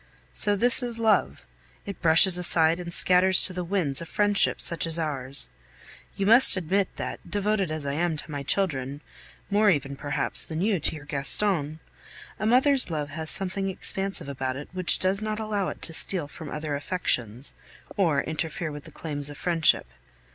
So this is love! It brushes aside and scatters to the winds a friendship such as ours! You must admit that, devoted as I am to my children more even perhaps than you to your Gaston a mother's love has something expansive about it which does not allow it to steal from other affections, or interfere with the claims of friendship.